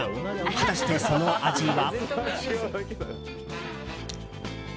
果たして、その味は。